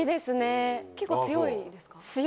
結構強いですか？